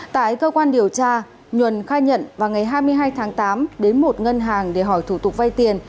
tại cơ quan điều tra nhuần khai nhận vào ngày hai mươi hai tháng tám đến một ngân hàng để hỏi thủ tục vay tiền